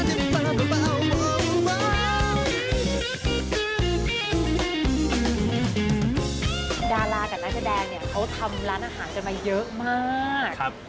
คุณไม่กลัวเป็นไงครับ